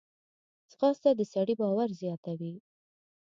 ځغاسته د سړي باور زیاتوي